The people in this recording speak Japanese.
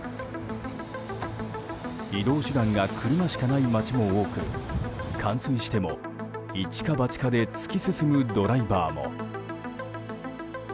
移動手段が車しかない町も多く冠水しても、いちかばちかで突き進むドライバーも。